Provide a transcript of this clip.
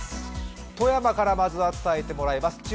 富山から伝えてもらいます。